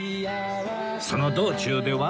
その道中では